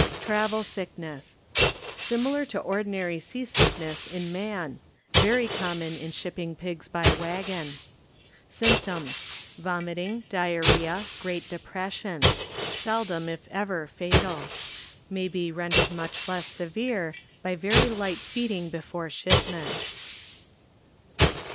Travel Sickness, ŌĆö Similar to ordinary sea sidcness in man; very common in shipping pigs by wagon. Symptoms. ^Vomiting, diarrhoa, great depression; seldom iv ever fatal. May he rendered musi. less severe by very light feeding before shipment.